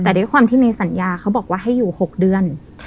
แต่ด้วยความที่ในสัญญาเขาบอกว่าให้อยู่๖เดือน